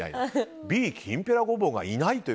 Ｂ、きんぴらごぼうがいません。